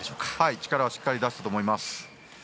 力はしっかり出したと思います。